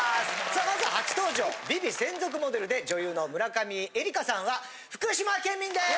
さあまずは初登場『ＶｉＶｉ』専属モデルで女優の村上愛花さんは福島県民です！